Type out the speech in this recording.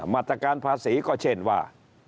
มาตรการภาษีก็เช่นว่า